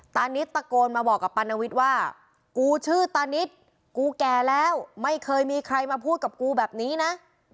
ตานิดตะโกนมาบอกกับปานวิทย์ว่ากูชื่อตานิดกูแก่แล้วไม่เคยมีใครมาพูดกับกูแบบนี้นะ